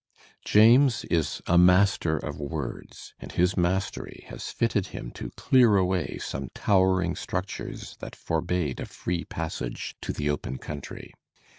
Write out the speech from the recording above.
James is a master of words, and his mastery has fitted him to clear away some towering structures that forbade a free passage to the open country.